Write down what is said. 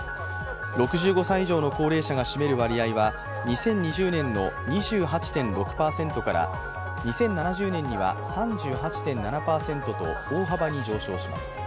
６５歳以上の高齢者が占める割合は２０２０年の２８．６％から２０７０年には３８．７％と大幅に上昇します。